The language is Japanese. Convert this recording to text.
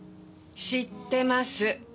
知ってます。